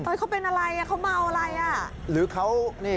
เขาเป็นอะไรอ่ะเขาเมาอะไรอ่ะหรือเขานี่